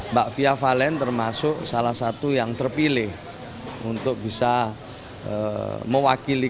mbak fia valen termasuk salah satu yang terpilih untuk bisa mewakili